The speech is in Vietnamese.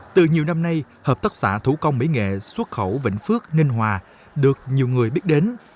từ nhiều năm nay hợp tác xã thủ công mỹ nghệ xuất khẩu vĩnh phước ninh hòa được nhiều người biết đến